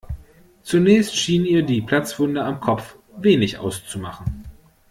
Zunächst schien ihr die Platzwunde am Kopf wenig auszumachen.